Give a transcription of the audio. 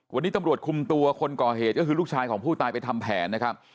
วันนี้ตำรวจคุมตัวคนก่อเหตุก็คือลูกชายของผู้ตายไปทำแผนนะครับ